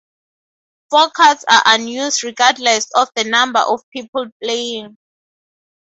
Four cards are unused regardless of the number of people playing.